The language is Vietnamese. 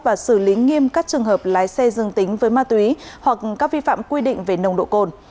và xử lý nghiêm các trường hợp lái xe dương tính với ma túy hoặc các vi phạm quy định về nồng độ cồn